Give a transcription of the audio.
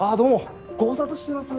ご無沙汰してます。